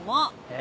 え。